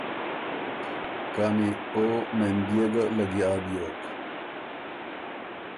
کانی او مېن بيې ګه لګیا بیوک،